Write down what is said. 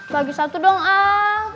bagi satu dong al